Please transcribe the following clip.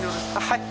はい。